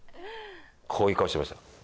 こういう顔してました